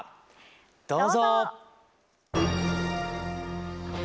どうぞ！